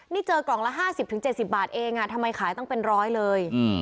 นี่เจอกล่องละ๕๐๗๐บาทเองทำไมขายตั้งเป็นร้อยเลย